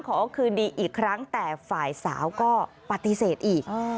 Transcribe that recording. ขอคืนดีอีกครั้งแต่ฝ่ายสาวก็ปฏิเสธอีก